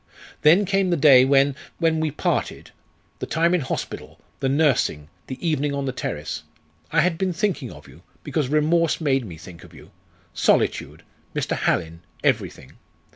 Then came the day when when we parted the time in hospital the nursing the evening on the terrace. I had been thinking of you because remorse made me think of you solitude Mr. Hallin everything.